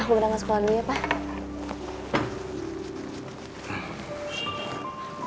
aku udah gak sekolah dulu ya pak